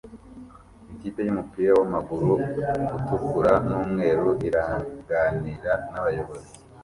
Ikipe yumupira wamaguru itukura numweru iraganira nabayobozi